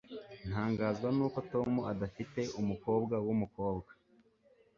Ntangazwa nuko Tom adafite umukobwa wumukobwa.